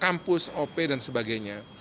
kampus op dan sebagainya